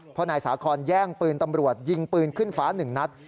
เพราะนายสาคอนแย่งปืนตำรวจยิงปืนขึ้นฟ้าหนึ่งนัด